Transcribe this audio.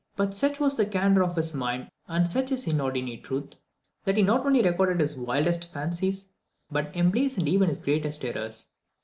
But such was the candour of his mind, and such his inordinate love of truth, that he not only recorded his wildest fancies, but emblazoned even his greatest errors.